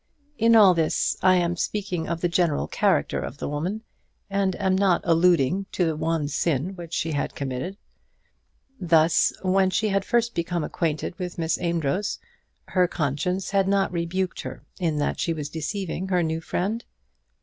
In all this I am speaking of the general character of the woman, and am not alluding to the one sin which she had committed. Thus, when she had first become acquainted with Miss Amedroz, her conscience had not rebuked her in that she was deceiving her new friend.